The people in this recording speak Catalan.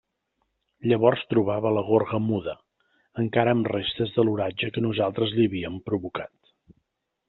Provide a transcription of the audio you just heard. Llavors trobava la gorga muda, encara amb restes de l'oratge que nosaltres li havíem provocat.